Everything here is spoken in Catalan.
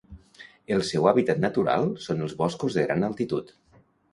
El seu hàbitat natural són els boscos de gran altitud.